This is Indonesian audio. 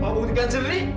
mau buktikan sendiri